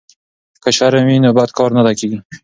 که شرم وي نو بد کار نه کیږي.